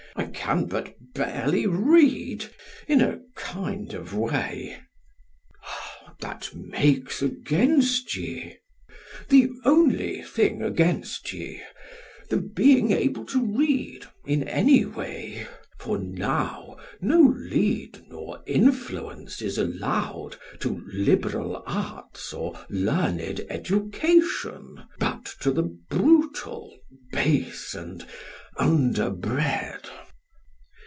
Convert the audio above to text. I can but barely read.... in a kind of way. DEM. That makes against ye! the only thing against ye The being able to read, in any way: For now no lead nor influence is allowed To liberal arts or learned education, But to the brutal, base, and underbred.